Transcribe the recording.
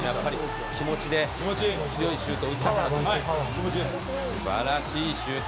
気持ちで強いシュートを打ったんですね。